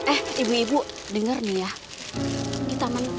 eh ibu ibu dengar nih ya